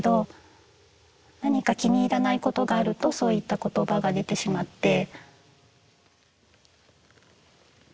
何か気に入らないことがあるとそういった言葉が出てしまって。